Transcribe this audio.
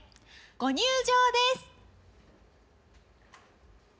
ご入場です。